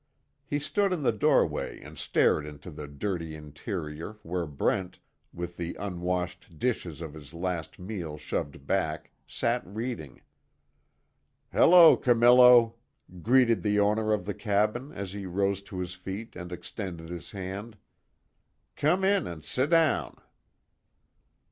He stood in the doorway and stared into the dirty interior where Brent, with the unwashed dishes of his last meal shoved back, sat reading. "Hello, Camillo," greeted the owner of the cabin as he rose to his feet and extended his hand, "Come in and sit down."